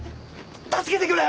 助けてくれ！